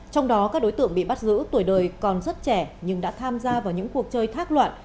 trong đó các đối tượng bị bắt giữ tuổi đời còn rất trẻ nhưng đã tham gia vào những cuộc chơi thác loạn